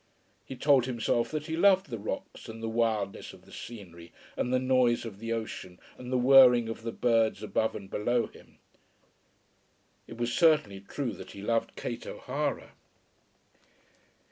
He told himself that he loved the rocks and the wildness of the scenery, and the noise of the ocean, and the whirring of the birds above and below him. It was certainly true that he loved Kate O'Hara.